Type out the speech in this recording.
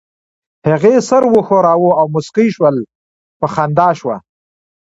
هغې سر وښوراوه او موسکۍ شول، په خندا شوه.